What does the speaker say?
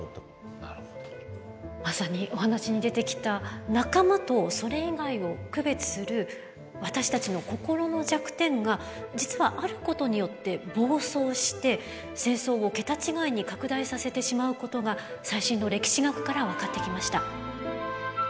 まさにお話に出てきた仲間とそれ以外を区別する私たちの心の弱点が実はあることによって暴走して戦争を桁違いに拡大させてしまうことが最新の歴史学から分かってきました。